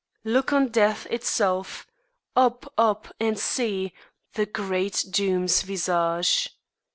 Look on death itself! up, up, and see The great doom's visage!